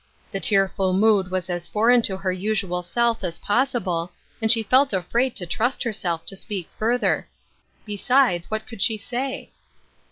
The tear ful mood was as foreign to her usual self as pos sible, and she felt afraid to trust herself to speak further. Besides, what could she say